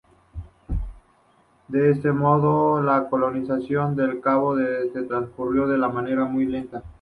De este modo, la colonización de El Cabo transcurrió de una manera muy lenta.